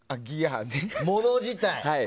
物自体。